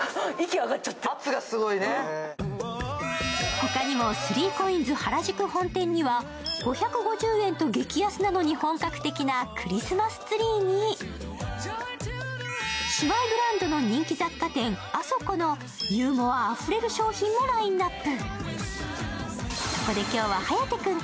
他にも３ＣＯＩＮＳ原宿本店には５５０円と激安なのに本格的なクリスマスツリーに、姉妹ブランドの人気雑貨店ＡＳＯＫＯのユーモアあふれる商品もラインナップ。